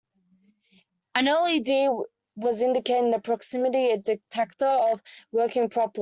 An LED was indicating the proximity detector was working properly.